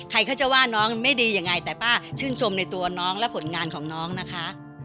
ใครเขาจะว่าน้องไม่ดียังไงแต่ป้าชื่นชมในตัวน้องและผลงานของน้องนะคะ